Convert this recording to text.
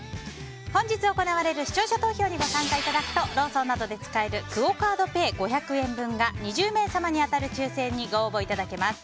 本日行われる視聴者投票にご参加いただくとローソンなどで使えるクオ・カードペイ５００円分が２０名様に当たる抽選にご応募いただけます。